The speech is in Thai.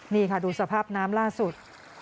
นี่ค่ะดูสภาพน้ำล่าสุด